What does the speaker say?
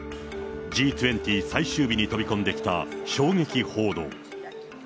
Ｇ２０最終日に飛び込んできた衝撃報道。